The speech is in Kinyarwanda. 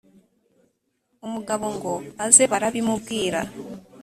umugabo ngo aze barabimubwira,